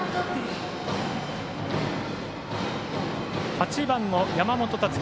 ８番の山本竜毅。